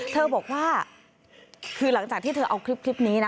เธอบอกว่าคือหลังจากที่เธอเอาคลิปนี้นะ